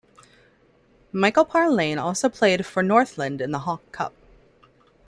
Michael Parlane also played for Northland in the Hawke Cup.